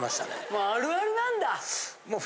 もうあるあるなんだ？